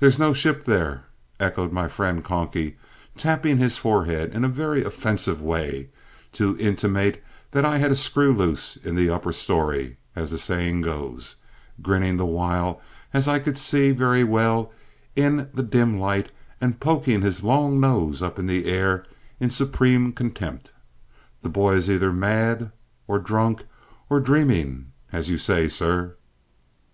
"There's no ship there," echoed my friend "Conky," tapping his forehead in a very offensive way to intimate that I had "a screw loose in the upper storey," as the saying goes, grinning the while as I could see very well in the dim light and poking his long nose up in the air in supreme contempt. "The boy is either mad, or drunk, or dreaming, as you say, sir.